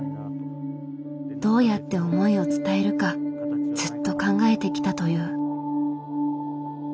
どうやって思いを伝えるかずっと考えてきたという。